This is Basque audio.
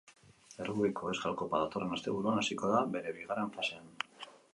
Errugbiko euskal kopa datorren asteburuan hasiko da bere bigarren fasean.